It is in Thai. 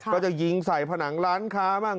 ก็จะยิงใส่ผนังร้านค้าบ้าง